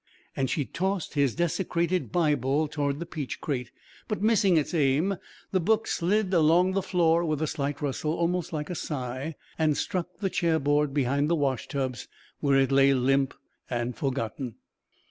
And she tossed his desecrated Bible toward the peach crate; but missing its aim, the book slid along the floor with a slight rustle, almost like a sigh, and struck the chair board behind the washtubs, where it lay limp and forgotten.